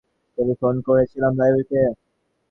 জানার জন্যে পাবলিক লাইব্রেরিতে টেলিফোন করেছিলাম।